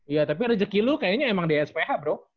iya tapi rezeki lu kayaknya emang di sph bro